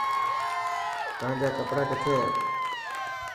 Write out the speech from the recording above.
تان جا ڪپڙا ڪٿي هي.